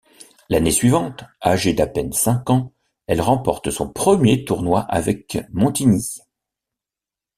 L'année suivante, âgée d'à peine cinq ans, elle remporte son premier tournoi avec Montigny.